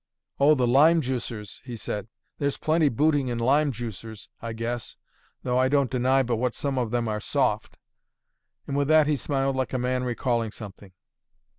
"O, the lime juicers?" said he. "There's plenty booting in lime juicers, I guess; though I don't deny but what some of them are soft." And with that he smiled like a man recalling something.